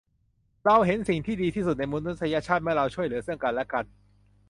เราเห็นสิ่งที่ดีที่สุดในมนุษยชาติเมื่อเราช่วยเหลือซึ่งกันและกัน